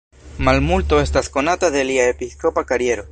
Malmulto estas konata de lia episkopa kariero.